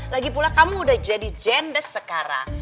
lagipula kamu udah jadi jendes sekarang